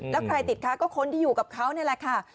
แล้วใครติดค้าก็คนที่อยู่กับเขานี่แหละค่ะ